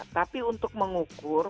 tapi untuk mengukur